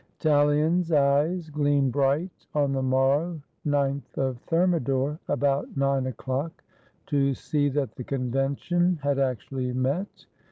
] Tallien's eyes gleamed bright, on the morrow, Ninth of Thermidor, "about nine o'clock," to see that the Convention had actually met.